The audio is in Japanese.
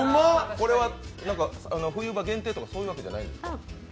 これは冬場限定とかそういうわけじゃないですか？